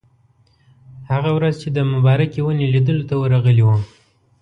هغه ورځ چې د مبارکې ونې لیدلو ته ورغلي وو.